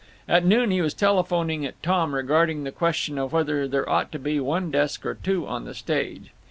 At noon he was telephoning at Tom regarding the question of whether there ought to be one desk or two on the stage.